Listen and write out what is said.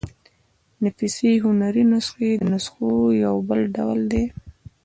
نفیسي هنري نسخې د نسخو يو بل ډول دﺉ.